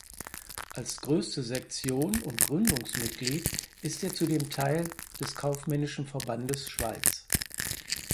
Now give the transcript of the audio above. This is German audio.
Als grösste Sektion und Gründungsmitglied ist er zudem Teil des Kaufmännischen Verbandes Schweiz.